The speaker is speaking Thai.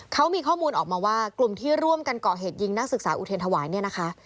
เขามีข้อมูลออกมาว่ากลุ่มที่ร่วมกันเกาะเหตุยิงนักศึกษาอุเทรนธวายเนี่ยนะคะ